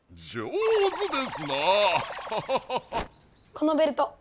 このベルト！